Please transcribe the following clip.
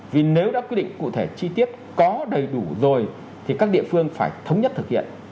vì nếu đã quy định cụ thể chi tiết có đầy đủ rồi thì các địa phương phải thống nhất thực hiện